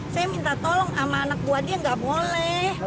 saya minta tolong sama anak buah dia nggak boleh